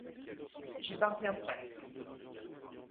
J’y parviens presque.